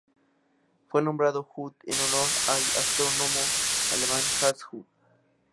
Fue nombrado Huth en honor al astrónomo alemán Hans Huth.